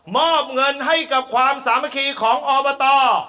มอบเงินให้กับความสามัคคีของอบต